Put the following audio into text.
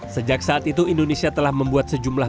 sejak saat itu indonesia telah membuat sejumlah